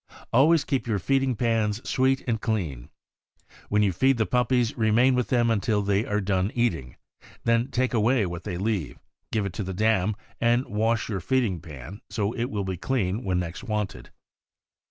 Always keep your feeding pans sweet and clean. When you feed the puppies, remain with them until they are done eating; then take away what they leave, give it to the dam, and wash your feeding pan, so it will be clean when next wanted.